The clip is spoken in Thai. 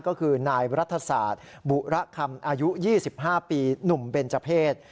ก็คือนายรัฐศาสตร์บุระคำอายุ๒๕ปีหนุ่มเบนเจอร์เพศ